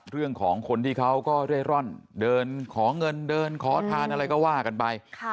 เรื่องของคนที่เขาก็เร่ร่อนเดินขอเงินเดินขอทานอะไรก็ว่ากันไป